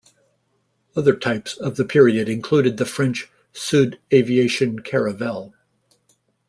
Other types of the period included the French Sud Aviation Caravelle.